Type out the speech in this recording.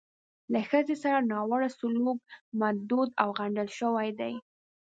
له ښځې سره ناوړه سلوک مردود او غندل شوی دی.